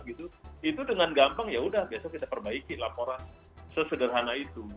itu dengan gampang ya udah biasa kita perbaiki laporan sesederhana itu